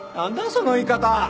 その言い方。